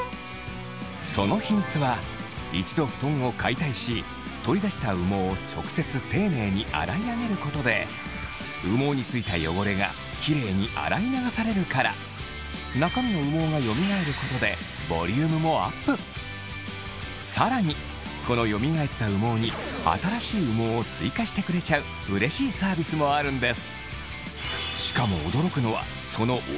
その秘密は一度ふとんを解体し取り出した羽毛を直接丁寧に洗い上げることで羽毛に付いた汚れがキレイに洗い流されるから中身の羽毛がよみがえることでさらにこのよみがえった羽毛にしてくれちゃううれしいサービスもあるんです